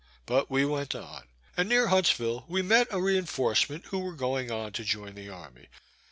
But we went on; and near Huntsville we met a reinforcement who were going on to join the army.